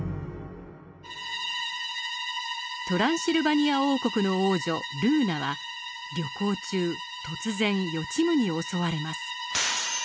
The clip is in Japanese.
トランシルバニア王国の王女ルーナは旅行中突然予知夢に襲われます。